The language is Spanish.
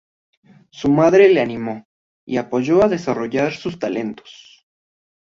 Su madre le animó y apoyó a desarrollar su talentos.